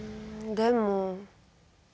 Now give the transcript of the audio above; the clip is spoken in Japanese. でも？